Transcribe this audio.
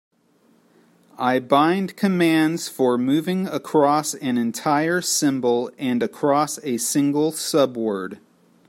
I bind commands for moving across an entire symbol and across a single subword.